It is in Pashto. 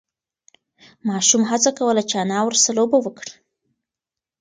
ماشوم هڅه کوله چې انا ورسه لوبه وکړي.